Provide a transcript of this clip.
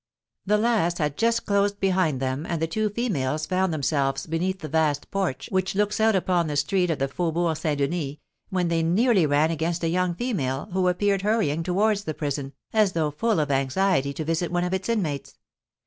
The last had just closed behind them, and the two females found themselves beneath the vast porch which looks out upon the street of the Faubourg St. Denis, when they nearly ran against a young female, who appeared hurrying towards the prison, as though full of anxiety to visit one of its inmates.